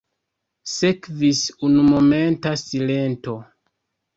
Sekvis unumomenta silento.